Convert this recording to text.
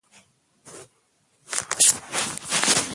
هوا د افغانستان د موسم د بدلون سبب کېږي.